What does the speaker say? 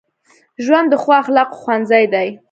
روژه د ښو اخلاقو ښوونځی دی.